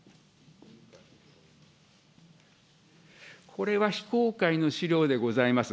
これは非公開の資料でございます。